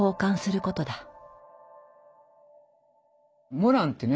モランってね